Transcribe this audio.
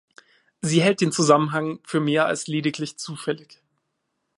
Sie hält den Zusammenhang für mehr als lediglich zufällig.